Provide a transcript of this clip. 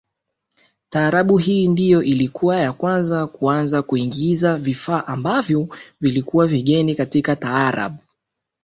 taarab hii ndio ilikuwa ya kwanza kuanza kuingiza vifaa ambavyo vilikuwa vigeni katika taarabu